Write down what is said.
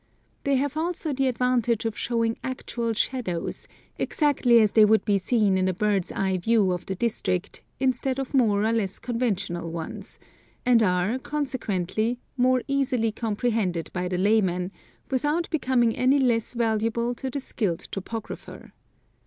They have also the advantage of showing actual shadows, exactly as they would be seen in a bird's eye view of the district, instead of more or less conventional ones, and are, consequently, more easily com prehended by the layman, without becoming any less valuable to the skilled topographer.